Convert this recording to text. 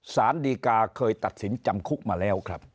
สารดีกาเคยตัดสินจำคุกมาแล้วครับ